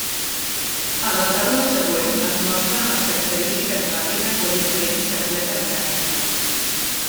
En la taula següent es mostren les característiques bàsiques de diferents targetes gràfiques.